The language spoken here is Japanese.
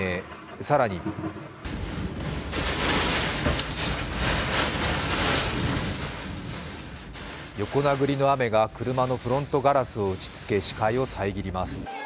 更に横殴りの雨が車のフロントガラスを打ち付け視界を遮ります。